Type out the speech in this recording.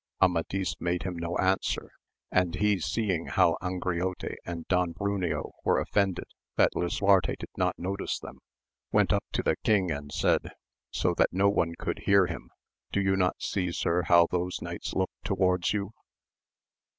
Amadis made him no answer, and he seeing how Angriote and Don Broneo were offended that lisoarte did not notice them, went up to the king and said, so that no one could hear him. Do you not see sir how those knights look towards you?